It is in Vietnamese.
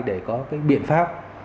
để có biện pháp